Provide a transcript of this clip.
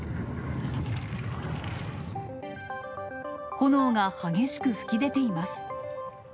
炎が激しく噴き出ています。